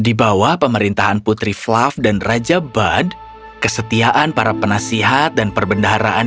di bawah pemerintahan putri fluff dan raja bad kesetiaan para penasihat dan perbendaharaan